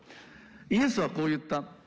イエスはこう言った。